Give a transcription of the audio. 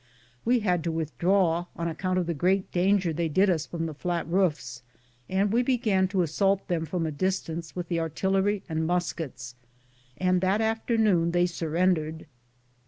We had to withdraw, on account of the great damage they did us from the fiat roofs, and we began to assault them from a distance with the artillery and muskets, and that afternoon they surrendered.